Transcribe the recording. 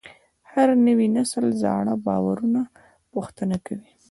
هر نوی نسل زاړه باورونه پوښتنه کوي.